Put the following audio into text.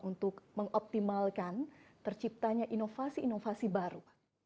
untuk mengoptimalkan terciptanya inovasi inovasi baru